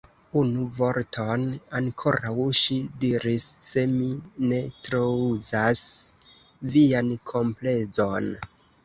Unu vorton ankoraŭ, ŝi diris, se mi ne trouzas vian komplezon.